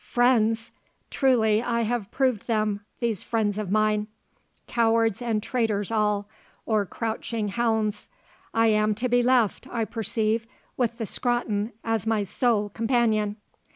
"Friends! Truly I have proved them, these friends of mine. Cowards and traitors all, or crouching hounds. I am to be left, I perceive, with the Scrotton as my sole companion."